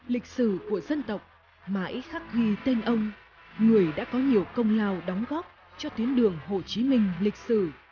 lịch sử của dân tộc mãi khắc ghi tên ông người đã có nhiều công lao đóng góp cho tuyến đường hồ chí minh lịch sử